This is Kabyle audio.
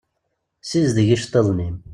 Sizdeg iceṭṭiḍen-im.